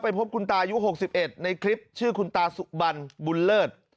พบคุณตายุ๖๑ในคลิปชื่อคุณตาสุบันบุญเลิศ